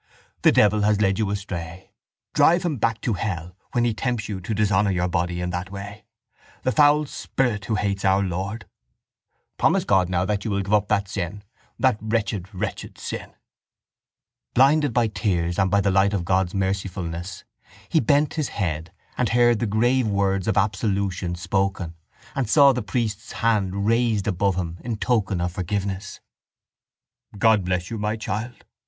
The devil has led you astray. Drive him back to hell when he tempts you to dishonour your body in that way—the foul spirit who hates Our Lord. Promise God now that you will give up that sin, that wretched wretched sin. Blinded by his tears and by the light of God's mercifulness he bent his head and heard the grave words of absolution spoken and saw the priest's hand raised above him in token of forgiveness. —God bless you, my child.